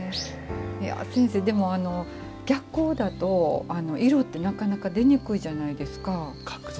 先生、でも逆光だと色ってなかなか出にくいじゃないですか。